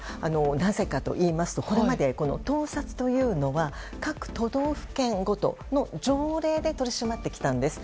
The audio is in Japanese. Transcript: なぜかといいますとこれまで盗撮というのは各都道府県ごとの条例で取り締まってきたんです。